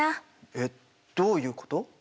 えっどういうこと？